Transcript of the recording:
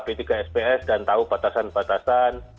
b tiga sps dan tahu batasan batasan